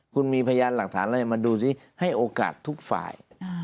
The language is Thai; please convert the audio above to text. คุณมีพยานหลักฐานอะไรมาดูสิให้โอกาสทุกฝ่าย